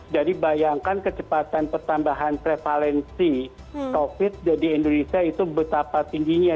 jadi bayangkan kecepatan pertambahan prevalensi covid sembilan belas di indonesia itu betapa tingginya